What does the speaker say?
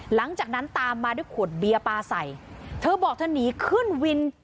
หลังจากนั้นตามมาด้วยขวดเบียร์ปลาใส่เธอบอกเธอหนีขึ้นวิน